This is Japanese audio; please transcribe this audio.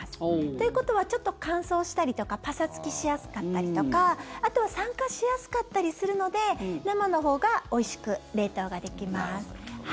ということはちょっと乾燥したりとかパサつきしやすかったりとかあとは酸化しやすかったりするので生のほうがおいしく冷凍ができます。